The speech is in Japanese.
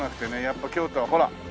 やっぱり京都はほら。